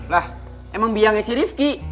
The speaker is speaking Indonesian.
lah emang biangnya si rifki